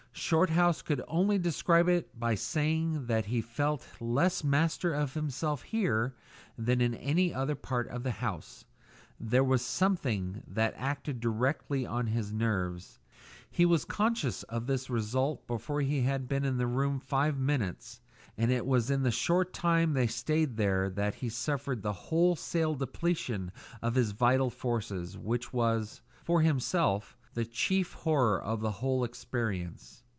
Shorthouse could only describe it by saying that he felt less master of himself here than in any other part of the house. There was something that acted directly on the nerves, tiring the resolution, enfeebling the will. He was conscious of this result before he had been in the room five minutes, and it was in the short time they stayed there that he suffered the wholesale depletion of his vital forces, which was, for himself, the chief horror of the whole experience.